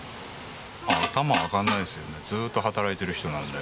頭上がらないですよねずっと働いてる人なんで。